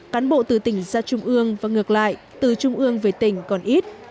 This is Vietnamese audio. cán bộ từ tỉnh ra trung ương và ngược lại từ trung ương về tỉnh còn ít